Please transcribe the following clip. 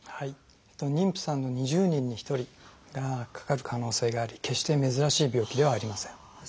妊婦さんの２０人に１人がかかる可能性があり決して珍しい病気ではありません。